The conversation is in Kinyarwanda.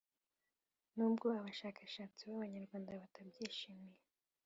nubwo abashakashatsi b’abanyarwanda batabyishimye